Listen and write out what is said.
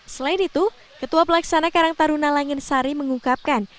selain itu ketua pelaksana karang taruna langin sari mengungkapkan